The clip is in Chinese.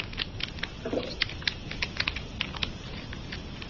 麻叶豆腐柴为马鞭草科豆腐柴属下的一个种。